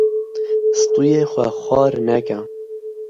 Stûyê xwe xwar neke.